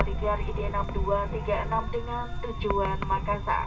digelar id enam ribu dua ratus tiga puluh enam dengan tujuan makassar